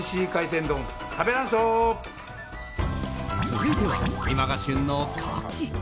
続いては今が旬のカキ。